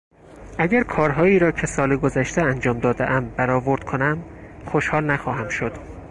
اگر کارهایی را که سال گذشته انجام دادهام برآورد کنم خوشحال نخواهم شد.